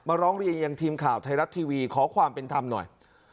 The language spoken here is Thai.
ร้องเรียนยังทีมข่าวไทยรัฐทีวีขอความเป็นธรรมหน่อย